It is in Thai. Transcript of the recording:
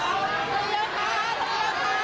สวัสดีครับ